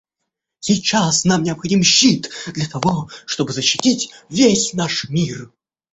Сейчас нам необходим щит для того, чтобы защитить весь наш мир.